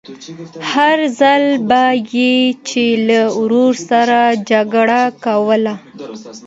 هر ځل به يې چې له ورور سره جګړه کوله.